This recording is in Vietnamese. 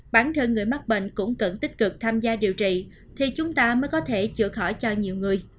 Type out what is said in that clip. bản thân người mắc bệnh cũng cần tích cực tham gia điều trị thì chúng ta mới có thể chữa khỏi cho nhiều người